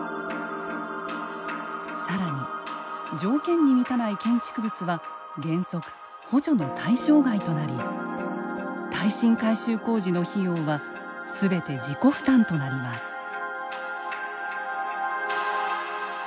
さらに、条件に満たない建築物は原則、補助の対象外となり耐震改修工事の費用はすべて自己負担となります。